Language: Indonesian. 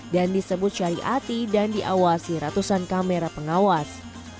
dan disebut syariati dan diawasi ratusan kamera pengawas